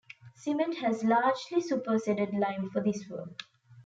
Cement has largely superseded lime for this work.